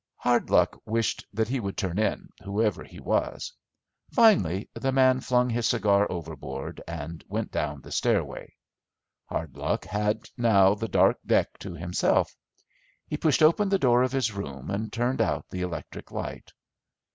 Hardlock wished that he would turn in, whoever he was. Finally the man flung his cigar overboard and went down the stairway. Hartlock had now the dark deck to himself. He pushed open the door of his room and turned out the electric light.